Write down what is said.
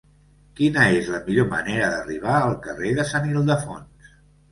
Quina és la millor manera d'arribar al carrer de Sant Ildefons?